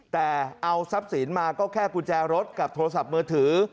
แต่เอาทรัพย์สินมาก็แค่กุญแจรถกับโทรศัพท์มือถือ